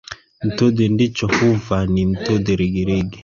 Ntudhi ndhicho huva ni ntudhi rigirigi.